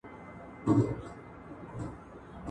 زرقیات باید څوک تطبیق کړي؟